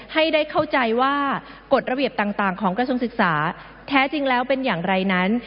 ให้ได้เข้าใจว่ากฎระเบียบต่างของกระทรวงศึกษาแท้จริงแล้วเป็นอย่างไรนั้น